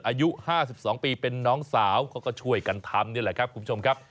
อายุ๕๒ปีเป็นน้องสาวเขาก็ช่วยกันทำนี่แหละครับคุณผู้ชมครับ